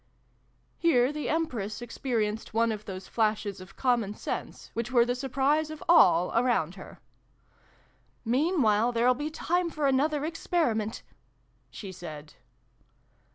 Here the Empress experienced one of those flashes of Common Sense which were the sur prise of all around her. " Meanwhile there'll be time for another Experiment," she said.